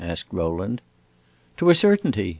asked Rowland. "To a certainty!